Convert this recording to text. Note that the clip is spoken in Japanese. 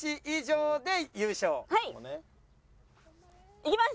いきます！